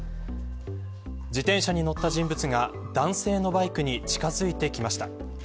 自転車に乗った人物が男性のバイクに近づいてきました。